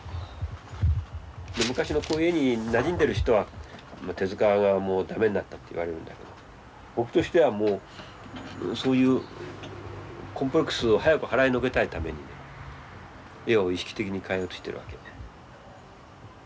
昔のこういう絵になじんでいる人は「手塚がもう駄目になった」って言われるんだけど僕としてはそういうコンプレックスを早く払いのけたいために絵を意識的に変えようとしているわけ。